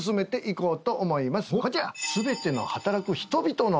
こちら。